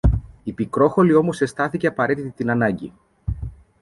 Η Πικρόχολη όμως αισθάνθηκε απαραίτητη την ανάγκη